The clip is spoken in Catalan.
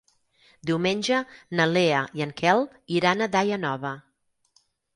Diumenge na Lea i en Quel iran a Daia Nova.